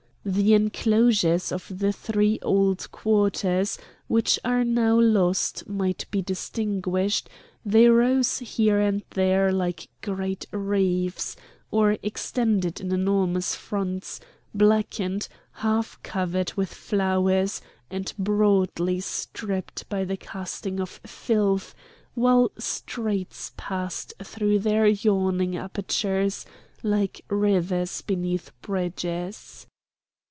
The enclosures of the three old quarters which are now lost might be distinguished; they rose here and there like great reefs, or extended in enormous fronts, blackened, half covered with flowers, and broadly striped by the casting of filth, while streets passed through their yawning apertures like rivers beneath bridges.